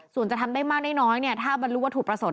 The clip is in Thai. ส่วนจะทำได้มากได้น้อยถ้ามันรู้ว่าถูกประสงค์